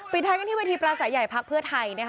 ปิดท้ายกันที่วัฒน์สายใหญ่พรรคเพื่อไทย